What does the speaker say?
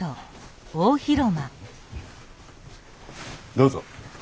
どうぞ。